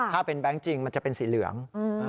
ถ้าเป็นแบงค์จริงมันจะเป็นสีเหลือง